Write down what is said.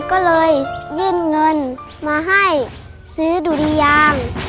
ก็เลยยื่นเงินมาให้ซื้อดุริยาง